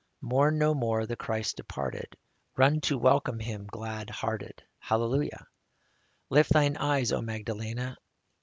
Mourn no more the Christ departed : Run to welcome Him, glad hearted. Hallelujah ! Lift thine eyes, O Magdalena